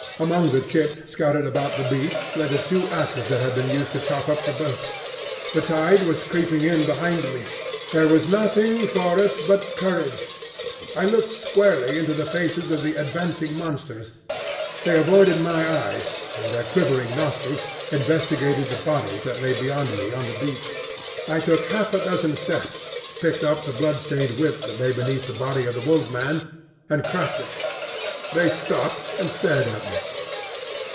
Among the chips scattered about the beach lay the two axes that had been used to chop up the boats. The tide was creeping in behind me. There was nothing for it but courage. I looked squarely into the faces of the advancing monsters. They avoided my eyes, and their quivering nostrils investigated the bodies that lay beyond me on the beach. I took half a dozen steps, picked up the blood stained whip that lay beneath the body of the Wolf man, and cracked it. They stopped and stared at me.